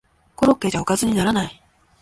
コロッケじゃおかずにならない